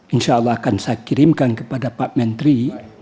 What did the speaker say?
insya allah akan saya kirimkan kepada pak menteri